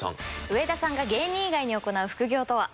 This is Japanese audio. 上田さんが芸人以外に行う副業とは？